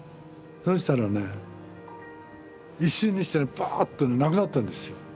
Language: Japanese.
そしたらね一瞬にしてねばっとねなくなったんですよ。